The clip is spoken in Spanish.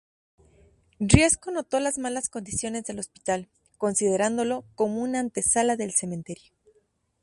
Riesco notó las malas condiciones del hospital, considerándolo como una "antesala del cementerio".